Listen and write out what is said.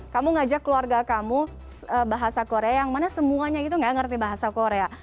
kamu ngajak keluarga kamu bahasa korea yang mana semuanya itu gak ngerti bahasa korea